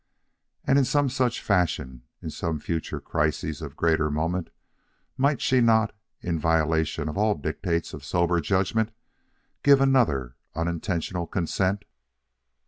And in some such fashion, in some future crisis of greater moment, might she not, in violation of all dictates of sober judgment, give another unintentional consent?